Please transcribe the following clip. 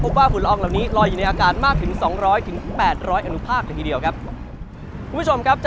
พบว่าฝุ่นละอองเหล่านี้รอยอยู่ในอากาศมากถึง๒๐๐๘๐๐อนุภาคในทีเดียวครับ